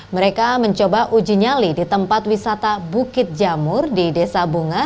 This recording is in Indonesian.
mereka mencoba uji nyali di tempat wisata bukit jamur di desa bunga